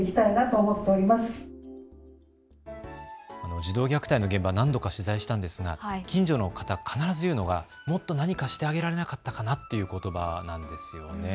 児童虐待の現場、何度か取材したんですが近所の方、必ず言うのはもっと何かしてあげられなかったかなということばなんです。